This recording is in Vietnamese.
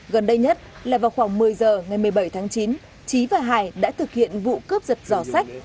gần đây nhất là vào khoảng một mươi giờ ngày một mươi bảy tháng chín trí và hải đã thực hiện vụ cướp giật giỏ sách